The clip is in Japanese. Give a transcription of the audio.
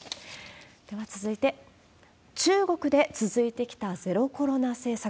では続いて、中国で続いてきたゼロコロナ政策。